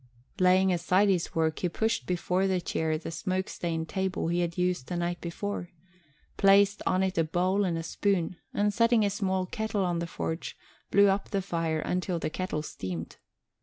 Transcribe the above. Laying aside his work he pushed before the chair the smoke stained table he had used the night before, placed on it a bowl and a spoon, and, setting a small kettle on the forge, blew up the fire until the kettle steamed.